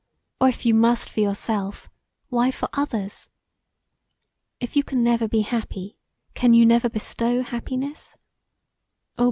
Or if you must for yourself, why for others? If you can never be happy, can you never bestow happiness[?] Oh!